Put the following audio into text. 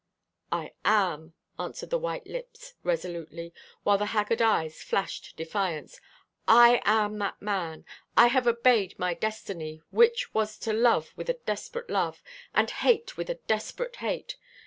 "I am!" answered the white lips resolutely, while the haggard eyes flashed defiance. "I am that man. I have obeyed my destiny, which was to love with a desperate love, and hate with a desperate hate.